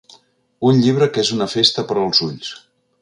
Un llibre que és una festa per als ulls.